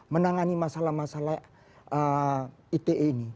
menangani masalah masalah ite ini